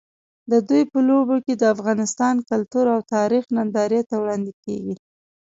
د دوی په لوبو کې د افغانستان کلتور او تاریخ نندارې ته وړاندې کېږي.